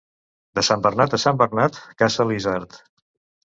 De Sant Bernat a Sant Bernat, caça l'isard.